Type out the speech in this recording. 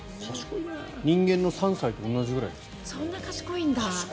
人間の３歳と同じくらいですって。